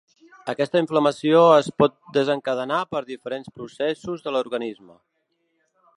Aquesta inflamació es pot desencadenar per diferents processos de l'organisme.